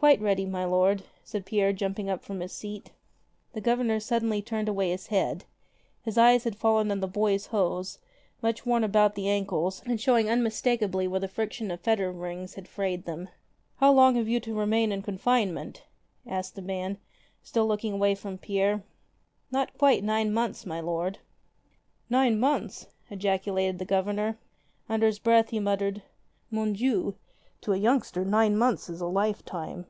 "Quite ready, my lord," said Pierre jumping up from his seat. The Governor suddenly turned away his head. His eyes had fallen on the boys' hose, much worn about the ankles and showing unmistakably where the friction of fetter rings had frayed them. "How long have you to remain in confinement?" asked the man, still looking away from Pierre. "Not quite nine months, my lord." "Nine months!" ejaculated the Governor. Under his breath he muttered, "Mon Dieu! to a youngster nine months is a lifetime."